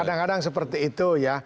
kadang kadang seperti itu ya